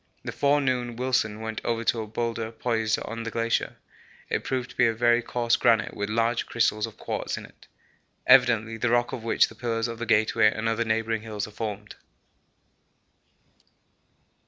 This forenoon Wilson went over to a boulder poised on the glacier. It proved to be a very coarse granite with large crystals of quartz in it. Evidently the rock of which the pillars of the Gateway and other neighbouring hills are formed.